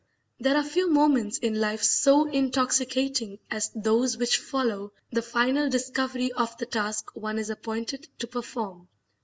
There are few moments in life so intoxicating as those which follow the final discovery of the task one is appointed to perform.